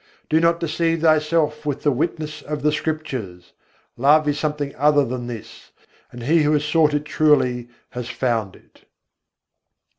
Do not deceive thyself with the witness of the Scriptures: Love is something other than this, and he who has sought it truly has found it.